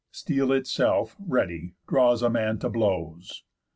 _Steel itself, ready, draws a man to blows.